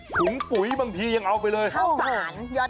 ถุงปุ๋ยบางทียังเอาไปเลยเข้าผ่านยอดพิษ